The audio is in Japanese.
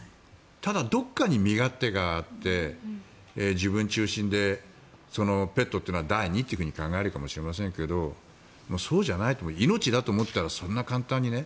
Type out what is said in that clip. ただ、どこかに身勝手があって自分中心でペットというのは第二というふうに考えるかもしれませんけどそうじゃないと命だと思ったらそんな簡単にね。